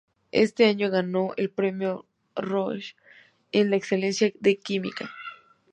Ese año ganó el premio Roche a la Excelencia en Química.